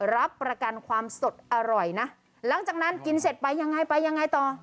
รับประกันความสดอร่อยนะหลังจากนั้นกินเสร็จไปยังไงไปยังไงต่อ